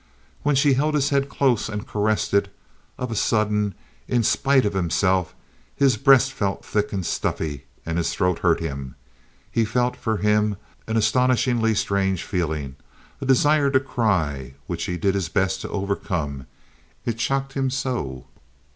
When she held his head close and caressed it, of a sudden, in spite of himself, his breast felt thick and stuffy, and his throat hurt him. He felt, for him, an astonishingly strange feeling, a desire to cry, which he did his best to overcome; it shocked him so.